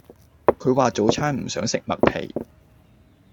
佢話早餐唔想食麥皮